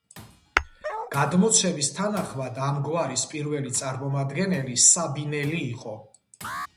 გადმოცემის თანახმად ამ გვარის პირველი წარმომადგენელი საბინელი იყო.